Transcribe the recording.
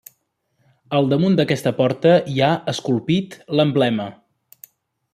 Al damunt d'aquesta porta hi ha, esculpit, l'emblema.